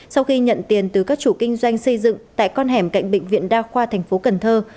sau khi nhận tiền từ các chủ kinh doanh xây dựng tại con hẻm cạnh bệnh viện đa khoa thành phố cần thơ